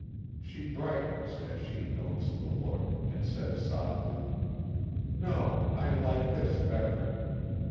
She brightens as she notes the look, and says softly: "No, I like this better."